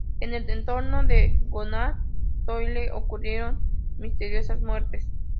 En el entorno de Jonathan Moyle ocurrieron misteriosas muertes.